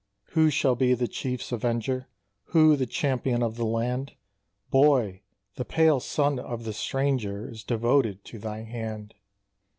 "Who shall be the Chiefs avenger? Who the Champion of the Land? Boy! the pale Son of the Stranger Is devoted to thy hand.